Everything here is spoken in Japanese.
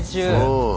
うん。